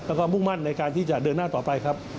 แล้วก็มุ่งมั่นในการที่จะเดินหน้าต่อไปครับ